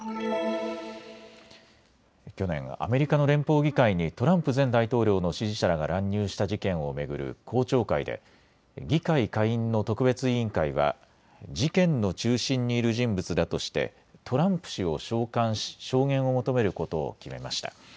去年、アメリカの連邦議会にトランプ前大統領の支持者らが乱入した事件を巡る公聴会で議会下院の特別委員会は事件の中心にいる人物だとしてトランプ氏を召喚し証言を求めることを決めました。